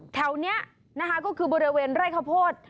แถวนี้นะคะก็คือบริเวณไร่ข้าวโพด